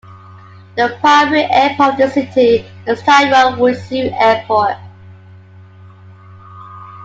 The primary airport of the city is Taiyuan Wusu Airport.